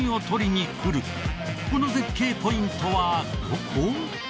この絶景ポイントはどこ？